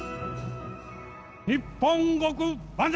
日本国万歳！